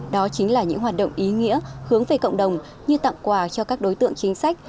đó chính là những hoạt động ý nghĩa hướng về cộng đồng như tặng quà cho các đối tượng chính sách